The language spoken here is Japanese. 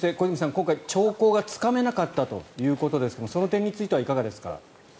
今回、兆候がつかめなかったということですがその点についてはいかがですか？